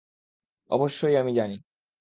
অবশ্যই আমি জানি।